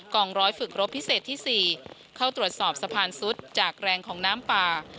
องร้อยฝึกรบพิเศษที่๔เข้าตรวจสอบสะพานซุดจากแรงของน้ำป่า